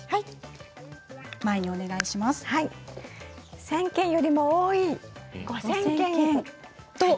１０００件よりも多い５０００件。